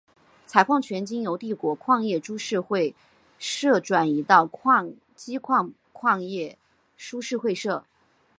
采矿权经由帝国矿业株式会社转移到矶部矿业株式会社。